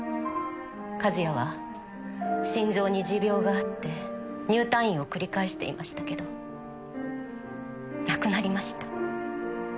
和也は心臓に持病があって入退院を繰り返していましたけど亡くなりました。